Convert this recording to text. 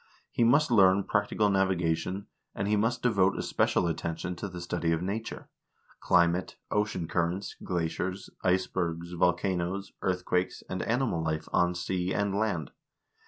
He must learn practical navi gation, and he must devote especial attention to the study of nature : climate, ocean currents, glaciers, icebergs, volcanoes, earthquakes, and animal life on sea and land.